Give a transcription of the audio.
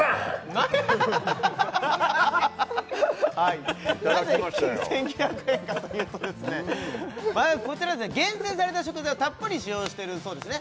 なぜ１９００円かというとですねこちらですね厳選された食材をたっぷり使用してるそうですね